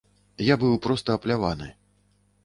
Я быў проста апляваны.